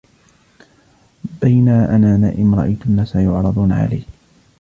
بَيْنَا أَنَا نَائِمٌ رَأَيْتُ النَّاسَ يُعْرَضُونَ عَلَيَّ.